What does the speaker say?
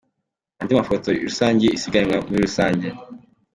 Andi mafoto yaranze isiganwa muri rusange.